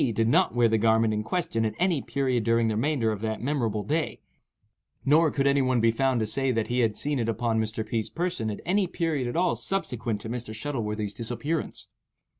did not wear the garment in question at any period during the remainder of that memorable day, nor could any one be found to say that he had seen it upon Mr. P.'s person at any period at all subsequent to Mr. Shuttleworthy's disappearance.